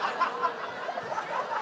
aduh capek itulah dalam hal itu